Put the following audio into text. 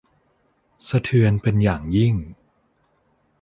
สะเทือนเป็นอย่างยิ่ง